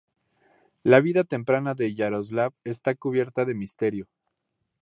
La vida temprana de Yaroslav está cubierta de misterio.